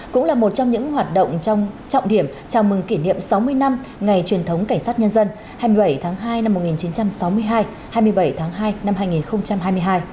cũng là một trong những hoạt động trong trọng điểm chào mừng kỷ niệm sáu mươi năm ngày truyền thống cảnh sát nhân dân hai mươi bảy tháng hai năm một nghìn chín trăm sáu mươi hai hai mươi bảy tháng hai năm hai nghìn hai mươi hai